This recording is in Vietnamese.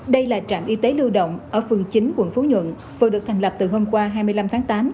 đây là trạm y tế lưu động ở phường chín quận phú nhuận vừa được thành lập từ hôm qua hai mươi năm tháng tám